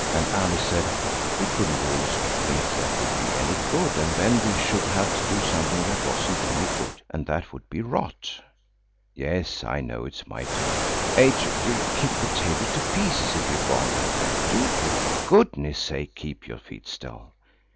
And Alice said, "We couldn't always make things that would be any good, and then we should have to do something that wasn't any good, and that would be rot. Yes, I know it's my turn–H.O., you'll kick the table to pieces if you go on like that. Do, for goodness' sake, keep your feet still.